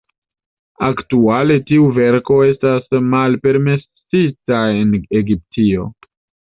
Aktuale tiu verko estas malpermesita en Egiptio.